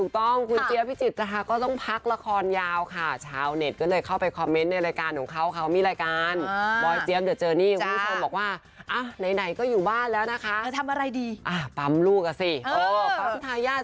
ตอนนี้เริ่มคุยกันไปถึงรอยกระทงแล้วอะครับ